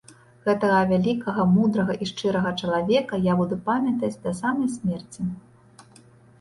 Гэтага вялікага, мудрага і шчырага чалавека я буду памятаць да самай смерці.